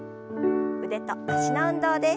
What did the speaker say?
腕と脚の運動です。